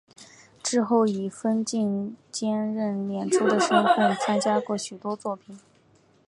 之后以分镜兼任演出的身分参加过许多作品。